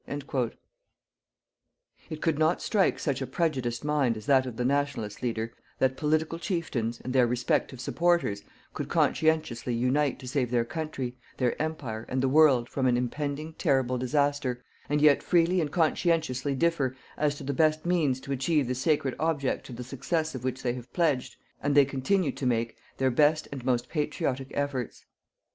_" It could not strike such a prejudiced mind as that of the Nationalist leader, that political chieftains, and their respective supporters, could conscientiously unite to save their country, their Empire and the world from an impending terrible disaster, and yet freely and conscientiously differ as to the best means to achieve the sacred object to the success of which they have pledged, and they continue to make, their best and most patriotic efforts.